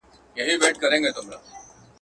بس په نغري کي د بوډا مخ ته لمبه لګیږي.